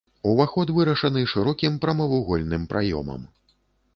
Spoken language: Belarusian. Уваход вырашаны шырокім прамавугольным праёмам.